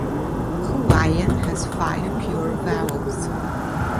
Hawaiian has five pure vowels.